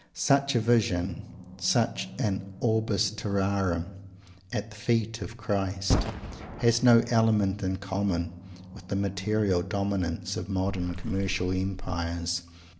Such a vision, such an Orbis Terrarum at the feet of Christ, has no element in common with the material dominance of modern commercial empires.